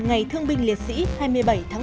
ngày thương binh liệt sĩ hai mươi bảy tháng năm